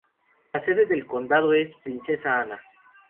La sede del condado es Princesa Ana.